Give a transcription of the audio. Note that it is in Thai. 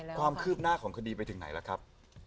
ความคืบหน้าของคดีไปถึงไหนล่ะครับ